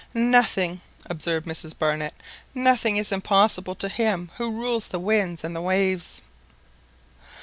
"Nothing," observed Mrs Barnett,—"nothing is impossible to Him who rules the winds and waves."